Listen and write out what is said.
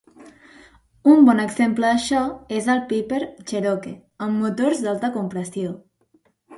Un bon exemple d'això és el Piper Cherokee, amb motors d'alta compressió.